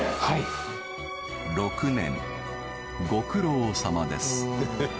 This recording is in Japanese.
はい６年ご苦労さまです